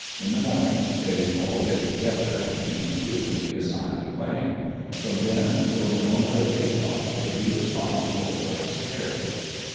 In the morning they'd all get together and each crew would be assigned a plane. From then until the moment of take off they'd be responsible for its care.